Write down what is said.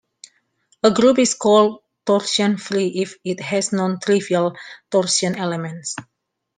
A group is called torsion-free if it has no non-trivial torsion elements.